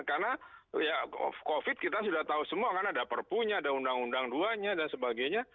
karena ya covid kita sudah tahu semua kan ada perpunya ada undang undang duanya dan sebagainya